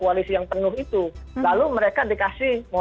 lalu mereka dikasih mohon maaf pak lalu mereka dikasih mohon maaf pak